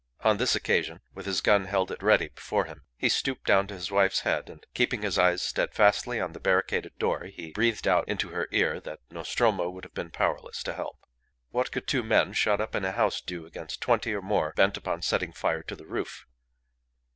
On this occasion, with his gun held at ready before him, he stooped down to his wife's head, and, keeping his eyes steadfastly on the barricaded door, he breathed out into her ear that Nostromo would have been powerless to help. What could two men shut up in a house do against twenty or more bent upon setting fire to the roof?